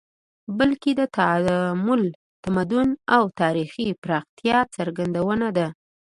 بلکې د تعامل، تمدن او تاریخي پراختیا څرګندونه ده